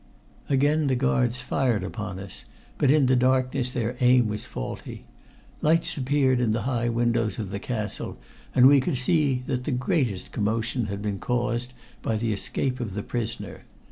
Again the guards fired upon us, but in the darkness their aim was faulty. Lights appeared in the high windows of the castle, and we could see that the greatest commotion had been caused by the escape of the prisoner.